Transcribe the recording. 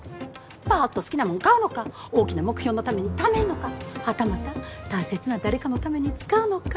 ぱっと好きなもん買うのか大きな目標のためにためんのかはたまた大切な誰かのために使うのか。